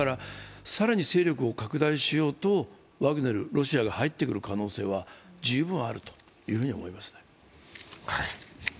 だから、更に勢力を拡大しようとワグネル、ロシアが入ってくる可能性は十分あると思いますね。